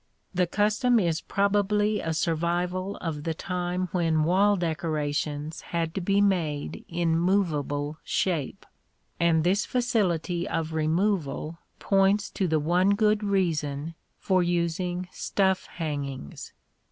The custom is probably a survival of the time when wall decorations had to be made in movable shape; and this facility of removal points to the one good reason for using stuff hangings.